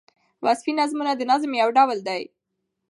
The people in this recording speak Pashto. وصفي نظمونه د نظم یو ډول دﺉ.